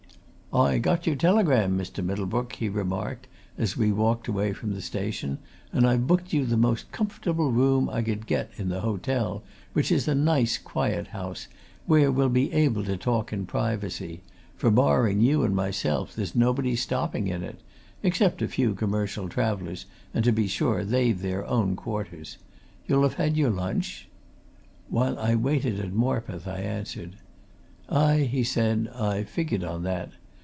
"I got your telegram, Mr. Middlebrook," he remarked as we walked away from the station, "and I've booked you the most comfortable room I could get in the hotel, which is a nice quiet house where we'll be able to talk in privacy, for barring you and myself there's nobody stopping in it, except a few commercial travellers, and to be sure, they've their own quarters. You'll have had your lunch?" "While I waited at Morpeth," I answered. "Aye," he said, "I figured on that.